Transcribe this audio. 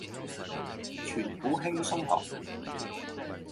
存股輕鬆學